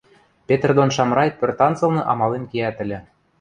Петр дон Шамрай пӧртанцылны амален киӓт ыльы.